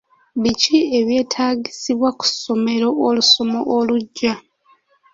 Biki ebyetaagisibwa ku ssomero olusoma olujja?